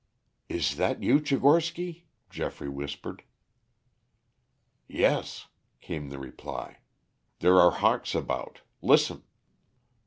"Is that you, Tchigorsky?" Geoffrey whispered. "Yes," came the reply. "There are hawks about. Listen."